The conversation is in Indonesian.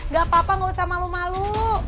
gak apa apa nggak usah malu malu